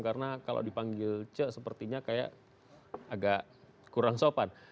karena kalau dipanggil cepopong sepertinya kayak agak kurang sopan